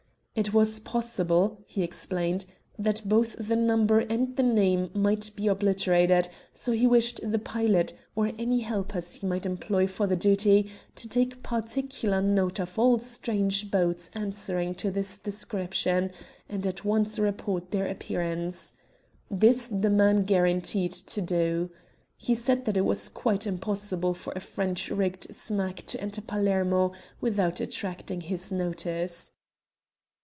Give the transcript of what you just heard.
It was possible, he explained, that both the number and the name might be obliterated, so he wished the pilot, or any helpers he might employ for the duty, to take particular note of all strange boats answering to this description, and at once report their appearance. This the man guaranteed to do. He said that it was quite impossible for a French rigged smack to enter Palermo without attracting his notice.